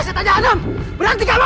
hei saya tanya adam berhenti kamu